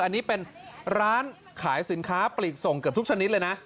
อันนี้เป็นร้านขายสินค้าปลีกส่งเกือบทุกชนิดเลยนะ